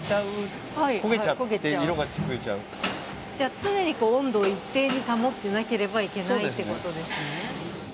常に温度を一定に保っていなければいけないということですね。